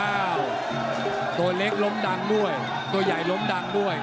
ตัวเล็กล้มดังด้วยตัวใหญ่ล้มดังด้วย